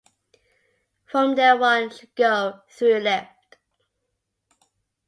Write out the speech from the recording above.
From there one should go through left.